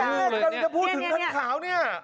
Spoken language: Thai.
เฮ่ยกำลังจะพูดถึงคันขาวนี่